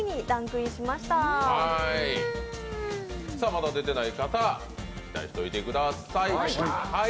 まだ出てない方、期待しておいてください。